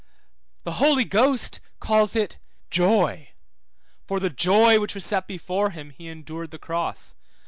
The Holy Ghost calls it joy (for the joy which was set before him he endured the cross), 3333 Heb.